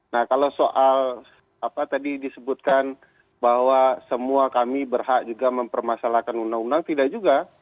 nah kalau soal apa tadi disebutkan bahwa semua kami berhak juga mempermasalahkan undang undang tidak juga